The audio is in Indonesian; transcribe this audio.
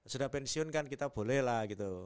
sudah pensiun kan kita boleh lah gitu